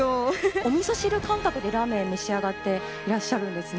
おみそ汁感覚でラーメン召し上がっていらっしゃるんですね。